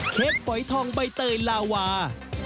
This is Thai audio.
เค้กฝอยทองใบเตยลาวา